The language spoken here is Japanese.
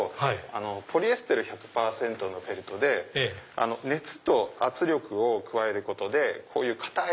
ポリエステル１００％のフェルトで熱と圧力を加えることでこういう硬い